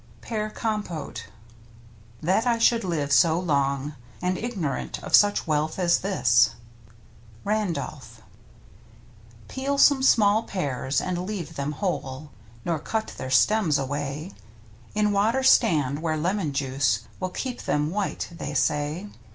PEAR COMPOTE That I should live so long And ignorant of such wealth as this. — Randolph. Peel some small pears, and leave them whole, Nor cut their stems away, In water stand, where lemon juice Will keep them white, they say.